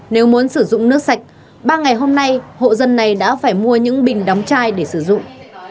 nếu muốn sử dụng nước sạch ba ngày hôm nay hộ dân này đã phải mua những bình đóng chai để sử dụng